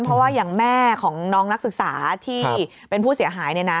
เพราะว่าอย่างแม่ของน้องนักศึกษาที่เป็นผู้เสียหาย